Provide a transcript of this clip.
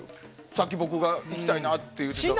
さっき僕が行きたいなって言ったところは。